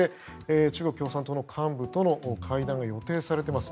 中国共産党の幹部との会談が予定されています。